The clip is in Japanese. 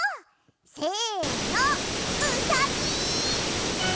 せのうさぎ！